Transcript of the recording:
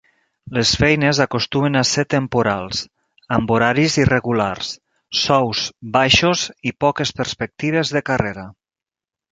Les feines acostumen a ser temporals, amb horaris irregulars, sous baixos i poques perspectives de carrera.